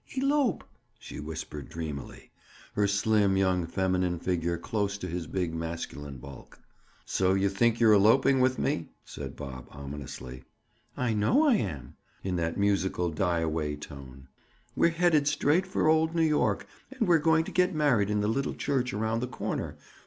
elope!" she whispered dreamily, her slim, young feminine figure close to his big masculine bulk. "So you think you're eloping with me?" said Bob ominously. "I know I am." In that musical die away tone. "We're headed straight for old New York and we're going to get married in the little church around the corner.